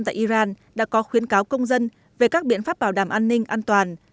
tại iran đã có khuyến cáo công dân về các biện pháp bảo đảm an ninh an toàn